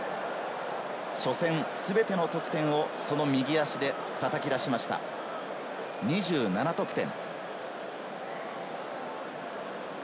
初戦、全ての得点をその右足で叩き出しました、２７得点。